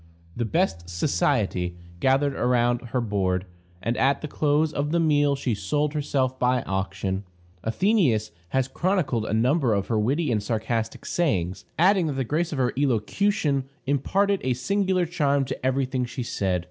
The "best society" gathered around her board, and at the close of the meal she sold herself by auction. Athenæus has chronicled a number of her witty and sarcastic sayings, adding that the grace of her elocution imparted a singular charm to every thing she said.